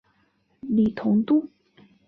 李同度。